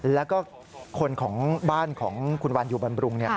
แล้วก็คนของบ้านของคุณวันอยู่บำรุง